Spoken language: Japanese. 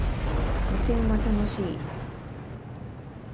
無線は、楽しい